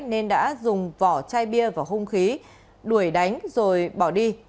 nên đã dùng vỏ chai bia và hung khí đuổi đánh rồi bỏ đi